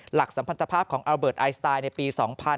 สัมพันธภาพของอัลเบิร์ตไอสไตล์ในปี๒๕๕๙